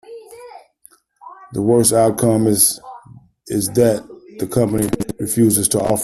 The worst outcome is that the company refuses the offer.